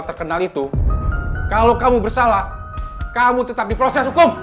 terkenal itu kalau kamu bersalah kamu tetap diproses hukum